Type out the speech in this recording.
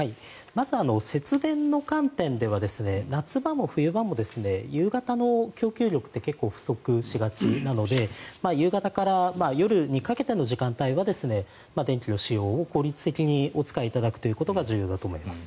まず節電の観点では夏場も冬場も夕方の供給力って結構、不足しがちなので夕方から夜にかけての時間帯は電気の使用を効率的にお使いいただくことが重要だと思います。